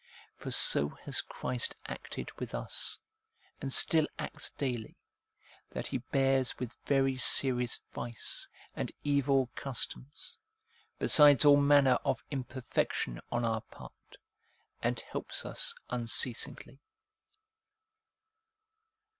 For so has Christ acted with us, and still acts daily, that He bears with very serious vice and evil customs, besides all manner of imperfection, on our part, and helps us unceasingly.